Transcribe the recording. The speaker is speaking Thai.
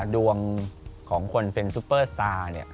ดวงของคนเป็นซุปเปอร์สตาร์เนี่ย